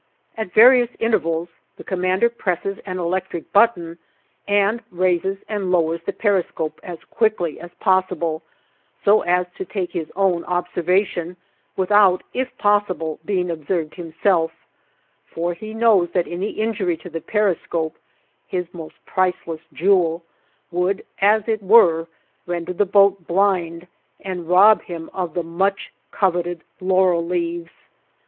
At various intervals, the commander presses an electric button and raises and lowers the periscope as quickly as possible, so as to take his own observation without, if possible, being observed himself; for he knows that any injury to the periscope his most priceless jewel would, as it were, render the boat blind and rob him of the much coveted laurel leaves.